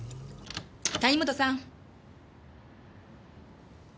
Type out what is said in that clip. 谷本さん。